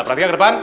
perhatikan ke depan